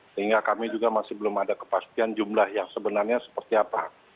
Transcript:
sehingga kami juga masih belum ada kepastian jumlah yang sebenarnya seperti apa